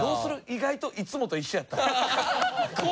意外といつもと一緒やったら。